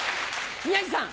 宮治さん。